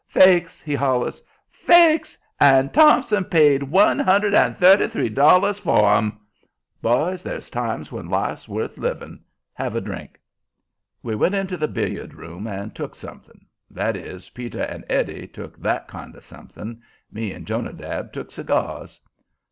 "Fakes!" he hollers. "Fakes! AND THOMPSON PAID ONE HUNDRED AND THIRTY THREE DOLLARS FOR 'EM! Boys, there's times when life's worth living. Have a drink." We went into the billard room and took something; that is, Peter and Eddie took that kind of something. Me and Jonadab took cigars.